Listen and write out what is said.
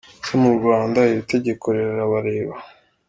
Ese mu Rwanda iri tegeko rirabareba ?.